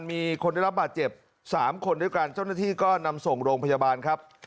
มีคนได้รับบาดเจ็บ๓คนด้วยกันเจ้าหน้าที่ก็นำส่งโรงพยาบาลครับ